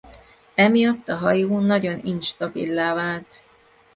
Emiatt a hajó nagyon instabillá vált.